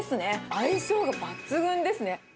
相性が抜群ですね。